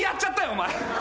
お前。